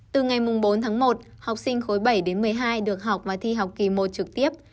từ ngày bốn tháng một học sinh khối bảy đến một mươi hai được học và thi học kỳ một trực tiếp